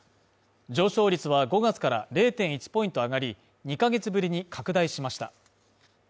上昇率は５月から０．１ポイント上がり、２ヶ月ぶりに拡大しました。